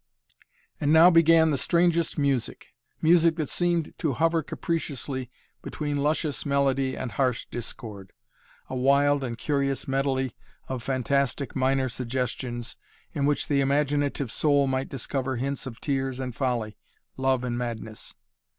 And now began the strangest music, music that seemed to hover capriciously between luscious melody and harsh discord, a wild and curious medley of fantastic minor suggestions in which the imaginative soul might discover hints of tears and folly, love and madness.